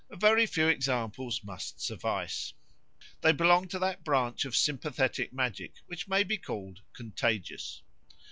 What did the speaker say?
A very few examples must suffice. They belong to that branch of sympathetic magic which may be called contagious.